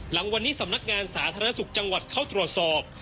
หลังวันนี้สำนักงานสาธารณสุขจังหวัดเข้าตรวจสอบ